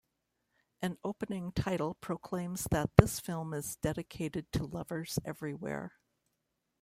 An opening title proclaims that this film is dedicated to lovers everywhere.